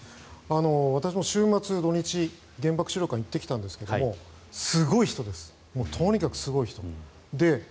私も週末、土日原爆資料館に行ってきたんですがとにかくすごい人です。